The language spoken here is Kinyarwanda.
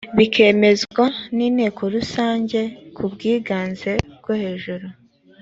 bikemezwa n’inteko rusange ku bwiganze bwo hejuru